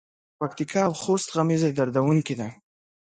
پکتیکا او خوست غمیزه دردوونکې ده.